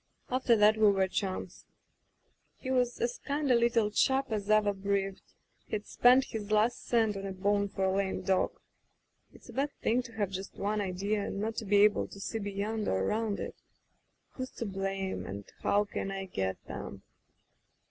After that we were chums. ... "He was as kind a little chap as ever breathed ; he'd spend his last cent on a bone for a lame dog. ... "It's a bad thing to have just one idea, and not be able to see beyond or around it. * Who's to blame, and how can I get at 'cm